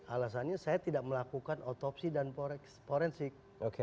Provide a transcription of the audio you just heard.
alasannya saya tidak melakukan otopsi dan forensik